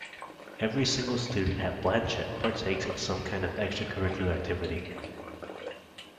Every single student at Blanchet partakes in some kind of extracurricular activity.